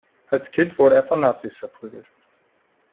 Als Kind wurde er von Nazis verprügelt.